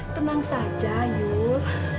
tenang saja yul